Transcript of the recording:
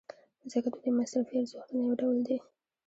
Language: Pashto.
ځکه د دوی مصرفي ارزښتونه یو ډول دي.